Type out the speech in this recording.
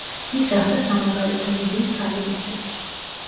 ის გახდა სამაგალითო ლიბიის ქალებისთვის.